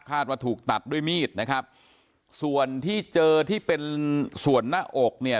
ว่าถูกตัดด้วยมีดนะครับส่วนที่เจอที่เป็นส่วนหน้าอกเนี่ย